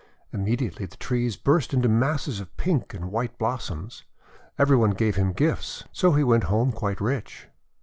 Immediately the trees burst into masses of pink and white blossoms. Every one gave him gifts, so he went home quite rich.